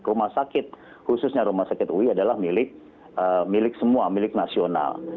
rumah sakit khususnya rumah sakit ui adalah milik semua milik nasional